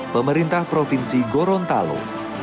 pemerintah provinsi gorontalo